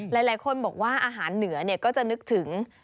หลายคนบอกว่าอาหารเหนือก็จะนึกถึง